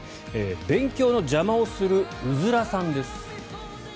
勉強の邪魔をするウズラさんです。